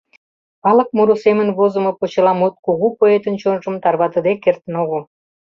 Калык муро семын возымо почеламут кугу поэтын чонжым тарватыде кертын огыл.